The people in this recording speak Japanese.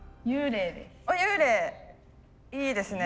幽霊いいですね。